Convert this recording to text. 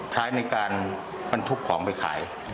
ท้ายในการปันทุกของไปขาย